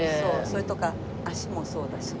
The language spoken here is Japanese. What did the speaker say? それとか足もそうだし